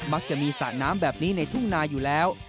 มักจะมีสระน้ำแบบนี้ในทุ่งนาอยู่แล้ว